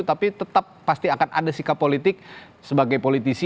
tapi tetap pasti akan ada sikap politik sebagai politisi